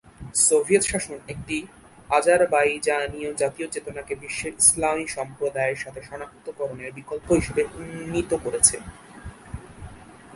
Soviet শাসন একটি আজারবাইজানিয় জাতীয় চেতনাকে বিশ্বের ইসলামী সম্প্রদায়ের সাথে সনাক্তকরণের বিকল্প হিসেবে উন্নীত করেছে।